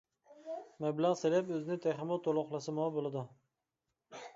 مەبلەغ سېلىپ، ئۆزىنى تېخىمۇ تولۇقلىسىمۇ بولىدۇ.